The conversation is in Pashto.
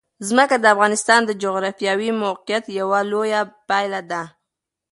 ځمکه د افغانستان د جغرافیایي موقیعت یوه لویه پایله ده.